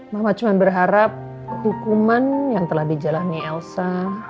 mama cuma berharap hukuman yang telah dijalani elsa